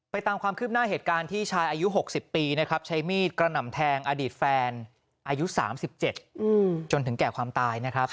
ตามความคืบหน้าเหตุการณ์ที่ชายอายุ๖๐ปีนะครับใช้มีดกระหน่ำแทงอดีตแฟนอายุ๓๗จนถึงแก่ความตายนะครับ